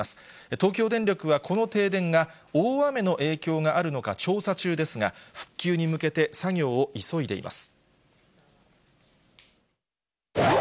東京電力はこの停電が大雨の影響があるのか調査中ですが、復旧に向けて作業を急いでいます。